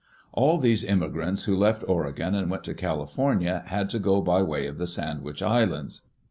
All these immigrants who left Oregon and went to California had to go by way of the Sandwich Islands.